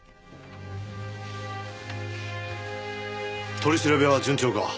取り調べは順調か？